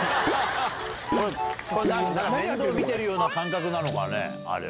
これ面倒を見てるような感覚なのかね。